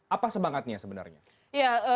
apa semangatnya sebenarnya